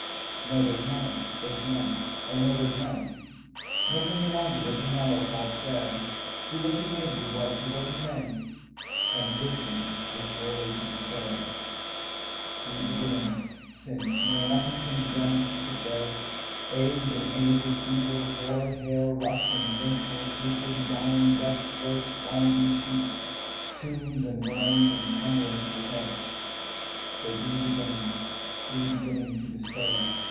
No there 's none, there 's none, O no there 's none, Nor can you long be, what you now are, called fair, Do what you may do, what, do what you may, And wisdom is early to despair:Be beginning; since, no, nothing can be doneTo keep at bayAge and age's evils, hoar hair, Ruck and wrinkle, drooping, dying, death's worst, winding sheets, tombs and worms and tumbling to decay; So be beginning, be beginning to despair.